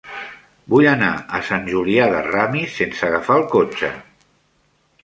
Vull anar a Sant Julià de Ramis sense agafar el cotxe.